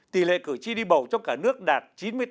tỷ lệ cử tri đi bầu trong cả nước đạt chín mươi tám bảy mươi bảy